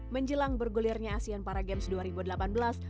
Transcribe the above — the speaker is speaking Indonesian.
menjelang bergulirnya asian paragames dua ribu delapan belas